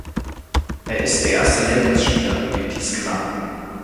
Er ist der erste Lakers-Spieler, dem dies gelang.